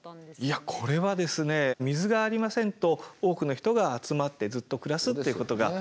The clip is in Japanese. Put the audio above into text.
いやこれはですね水がありませんと多くの人が集まってずっと暮らすということができませんので。